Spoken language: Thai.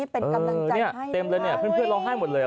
เป็นกำลังใจเต็มเลยเนี่ยเพื่อนร้องไห้หมดเลย